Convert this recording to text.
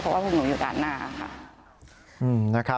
เพราะว่าพวกหนูอยู่ด้านหน้าค่ะ